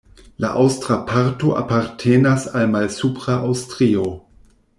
La aŭstra parto apartenas al Malsupra Aŭstrio.